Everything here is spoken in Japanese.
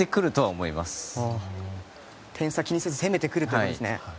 点差を気にせず攻めてくるということですね。